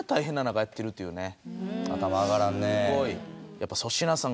やっぱ粗品さん